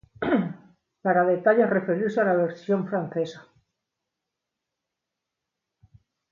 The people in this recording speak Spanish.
Para detalles, referirse a la versión francesa